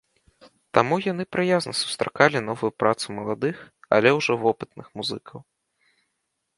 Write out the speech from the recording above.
Таму яны прыязна сустракалі новую працу маладых, але ужо вопытных музыкаў.